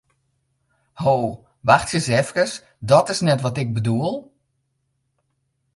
Ho, wachtsje ris efkes, dat is net wat ik bedoel!